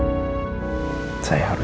meskipun saya juga akan hancur